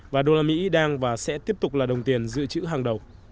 và đô la mỹ đang và sẽ tiếp tục là đồng tiền dự trữ hàng đầu